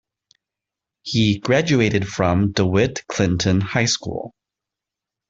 He graduated from DeWitt Clinton High School.